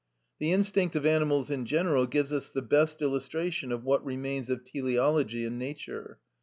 The instinct of animals in general gives us the best illustration of what remains of teleology in nature.